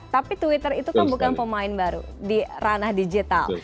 tapi twitter itu kan bukan pemain baru di ranah digital